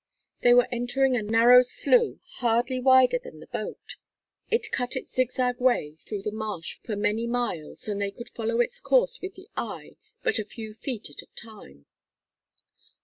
They were entering a narrow slough, hardly wider than the boat. It cut its zigzag way through the marsh for many miles, and they could follow its course with the eye but a few feet at a time.